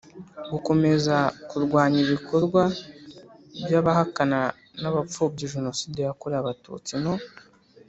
gukomeza kurwanya ibikorwa by abahakana n abapfobya jenoside yakorewe abatutsi no